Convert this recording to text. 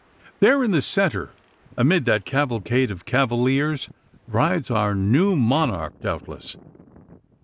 There in the centre, amid that cavalcade of cavaliers, rides our new monarch doubtless.